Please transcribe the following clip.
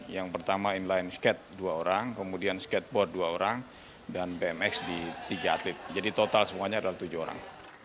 yang pertama inline skate dua orang kemudian skateboard dua orang dan bmx di tiga atlet jadi total semuanya adalah tujuh orang